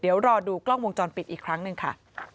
เดี๋ยวรอดูกล้องวงจรปิดอีกครั้งหนึ่งค่ะ